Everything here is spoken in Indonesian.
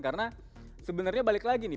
karena sebenarnya balik lagi nih